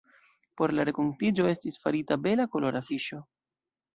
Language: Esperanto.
Por la renkontiĝo estis farita bela kolora afiŝo.